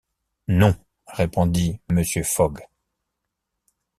Non, répondit Mr. Fogg.